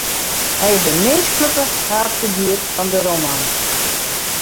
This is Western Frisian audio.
Hy is de minsklike haadfiguer fan de roman.